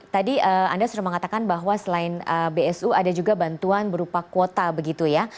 tadi anda sudah mengatakan bahwa selain bsu ada juga bantuan berupa kuota begitu ya